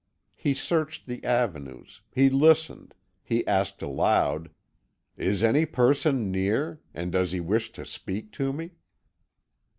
He searched the avenues, he listened, he asked aloud: "Is any person near, and does he wish to speak to me?"